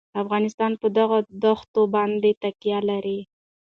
افغانستان په دغو دښتو باندې تکیه لري.